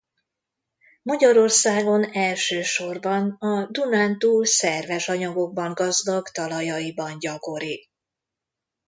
Magyarországon elsősorban a Dunántúl szerves anyagokban gazdag talajaiban gyakori.